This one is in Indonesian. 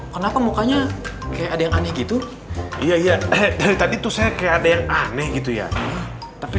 kenapa mukanya kayak ada yang aneh gitu iya iya dari tadi tuh saya kayak ada yang aneh gitu ya tapi